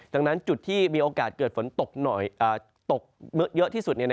ดังนั้นจุดที่มีโอกาสเกิดฝนตกเยอะที่สุด